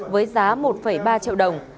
với giá một ba triệu đồng